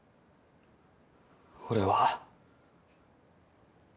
俺は。